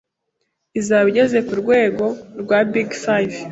izaba igeze ku rwego rwa big five